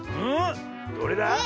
どれだ？